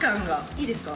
いいですか？